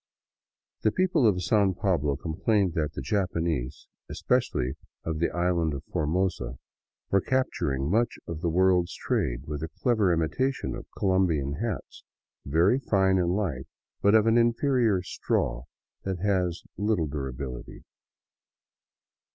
The people of San Pablo com plained that the Japanese, especially of the Island of Formosa, were capturing much of the world's trade with a clever imitation of Colombian hats, very fine and light, but of an inferior " straw " that has little durability.